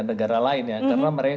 kita terlihat oleh plantno into america